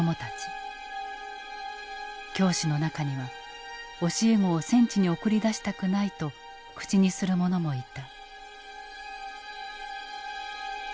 教師の中には教え子を戦地に送り出したくないと口にする者もいた。